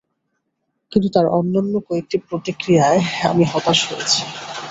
কিন্তু তার অন্যান্য কয়েকটি প্রতিক্রিয়ায় আমি হতাশ হয়েছি।